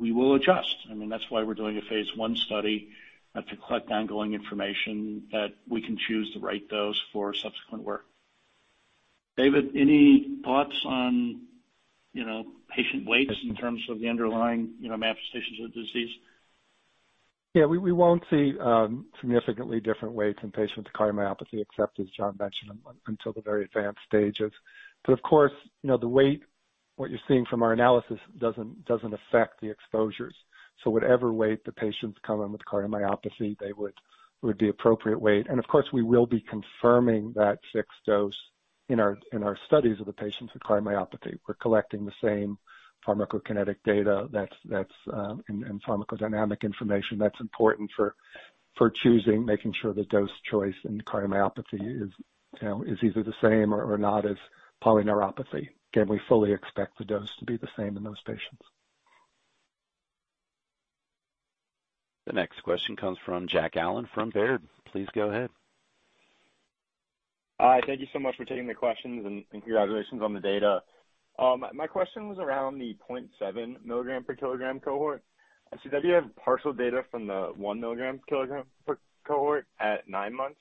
we will adjust. I mean, that's why we're doing a phase 1 study to collect ongoing information that we can choose the right dose for subsequent work. David, any thoughts on, you know, patient weights in terms of the underlying, you know, manifestations of the disease? Yeah. We won't see significantly different weights in patients with cardiomyopathy, except as John mentioned, until the very advanced stages. Of course, you know, the weight, what you're seeing from our analysis doesn't affect the exposures. Whatever weight the patients come in with cardiomyopathy, they would be appropriate weight. Of course, we will be confirming that fixed dose in our studies of the patients with cardiomyopathy. We're collecting the same pharmacokinetic data that's and pharmacodynamic information that's important for choosing, making sure the dose choice in cardiomyopathy is, you know, is either the same or not as polyneuropathy, can we fully expect the dose to be the same in those patients. The next question comes from Jack Allen from Baird. Please go ahead. Hi. Thank you so much for taking the questions, and congratulations on the data. My question was around the 0.7 milligram per kilogram cohort. I see that you have partial data from the 1 milligram per kilogram cohort at 9 months,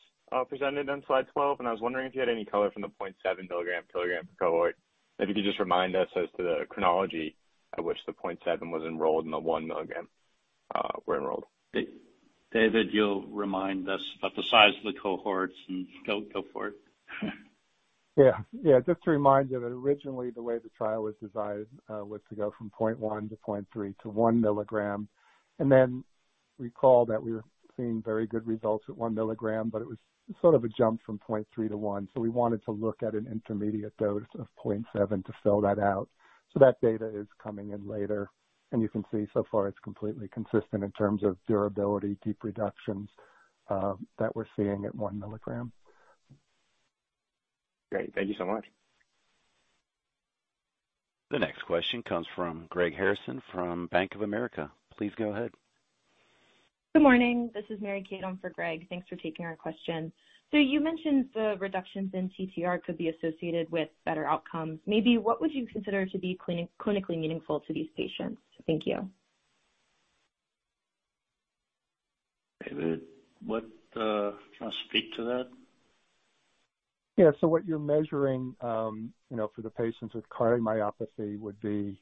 presented on slide 12, and I was wondering if you had any color from the 0.7 milligram per kilogram cohort. If you could just remind us as to the chronology at which the 0.7 was enrolled and the 1 milligram were enrolled. David, you'll remind us about the size of the cohorts and go for it. Yeah. Just to remind you that originally the way the trial was designed was to go from 0.1 to 0.3 to 1 milligram. Recall that we were seeing very good results at 1 milligram, but it was sort of a jump from 0.3 to 1. We wanted to look at an intermediate dose of 0.7 to fill that out. That data is coming in later. You can see so far it's completely consistent in terms of durability, deep reductions, that we're seeing at 1 milligram. Great. Thank you so much. The next question comes from Greg Harrison from Bank of America. Please go ahead. Good morning. This is Mary Kate on for Greg. Thanks for taking our question. You mentioned the reductions in TTR could be associated with better outcomes. Maybe what would you consider to be clinically meaningful to these patients? Thank you. David, what? You want to speak to that? Yeah. What you're measuring for the patients with cardiomyopathy would be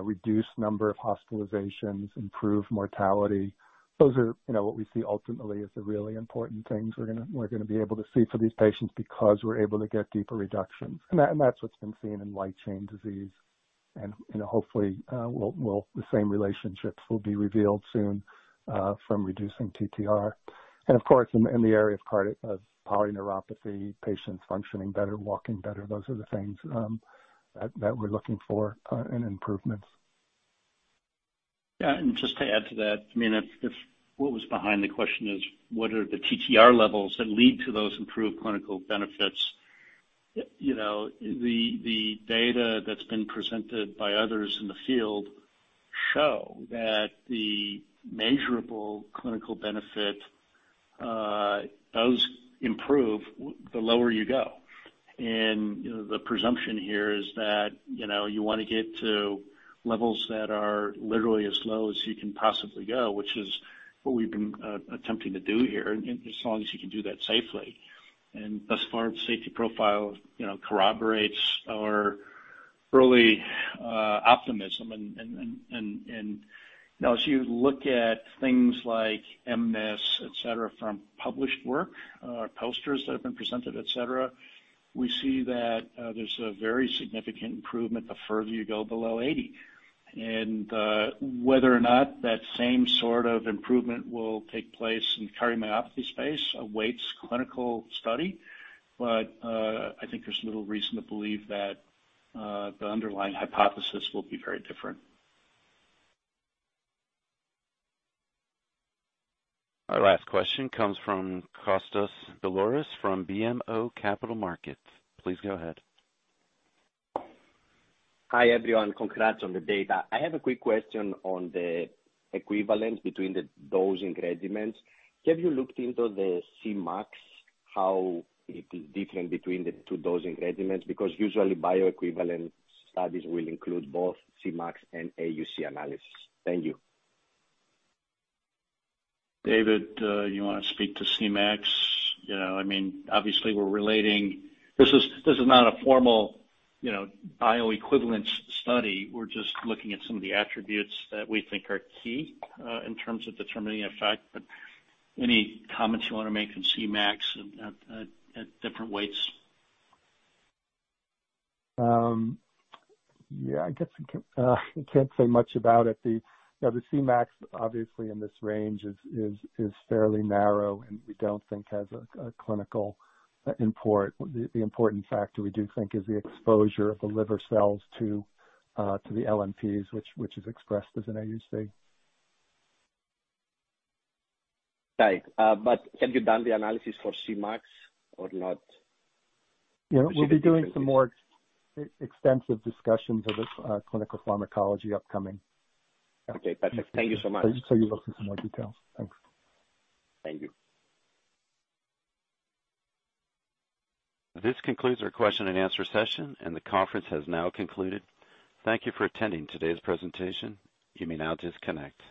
reduced number of hospitalizations, improved mortality. Those are what we see ultimately as the really important things we're going to be able to see for these patients because we're able to get deeper reductions. That's what's been seen in light chain disease. You know, hopefully the same relationships will be revealed soon from reducing TTR. Of course, in the area of polyneuropathy, patients functioning better, walking better, those are the things that we're looking for in improvements. Yeah. Just to add to that, I mean, if what was behind the question is what are the TTR levels that lead to those improved clinical benefits, you know, the data that's been presented by others in the field show that the measurable clinical benefit, those improve the lower you go. You know, the presumption here is that, you know, you want to get to levels that are literally as low as you can possibly go, which is what we've been attempting to do here, as long as you can do that safely. Thus far, the safety profile, you know, corroborates our early optimism. You know, as you look at things like MS, et cetera, from published work, posters that have been presented, et cetera, we see that there's a very significant improvement the further you go below 80. Whether or not that same sort of improvement will take place in cardiomyopathy space awaits clinical study. I think there's little reason to believe that the underlying hypothesis will be very different. Our last question comes from Kostas Biliouris from BMO Capital Markets. Please go ahead. Hi, everyone. Congrats on the data. I have a quick question on the equivalence between the dosing regimens. Have you looked into the Cmax, how it is different between the two dosing regimens? Because usually bioequivalent studies will include both Cmax and AUC analysis. Thank you. David, you want to speak to Cmax? Obviously we're relating. This is not a formal bioequivalence study. We're just looking at some of the attributes that we think are key in terms of determining effect. Any comments you want to make on Cmax at different weights? Yeah, I guess we can't say much about it. You know, the Cmax obviously in this range is fairly narrow and we don't think has a clinical import. The important factor we do think is the exposure of the liver cells to the LNPs, which is expressed as an AUC. Right. Have you done the analysis for Cmax or not? We'll be doing some more extensive discussions of this, clinical pharmacology upcoming. Okay, perfect. Thank you so much. You'll look for some more details. Thanks. Thank you. This concludes our question and answer session, and the conference has now concluded. Thank you for attending today's presentation. You may now disconnect.